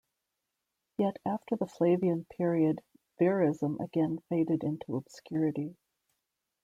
Yet after the Flavian period verism again faded into obscurity.